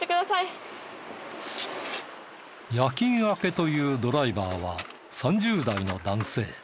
というドライバーは３０代の男性。